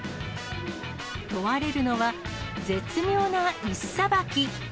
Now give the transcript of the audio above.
問われるのは、絶妙ないすさばき。